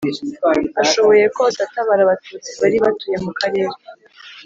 Ashoboye kose atabara abatutsi bari batuye mu karere